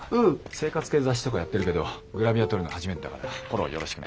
生活系雑誌とかやってるけどグラビア撮るの初めてだからフォローよろしくね。